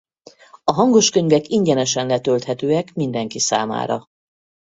A hangoskönyvek ingyenesen letölthetőek mindenki számára.